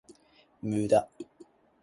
無駄